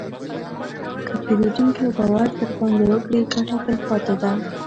که پیرودونکی باور درباندې وکړي، ګټه تلپاتې ده.